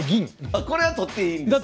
これは取っていいんですよね？